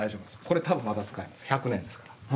これ多分まだ使える１００年ですから。